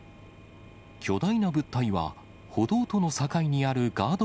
巨大な物体は、歩道との境にあるガード